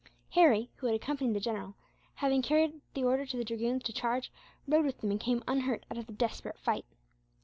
Harry, who had accompanied the general, having carried the order to the Dragoons to charge, rode with them and came unhurt out of the desperate fight.